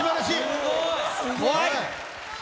すごい。